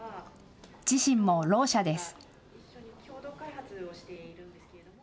自身も、ろう者です。